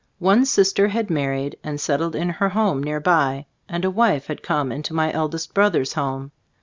One sister had married and settled in her home near by, and a wife had come into my eldest brother's home.